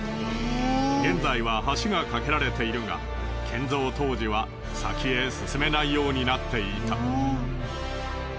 現在は橋がかけられているが建造当時は先へ進めないようになっていた。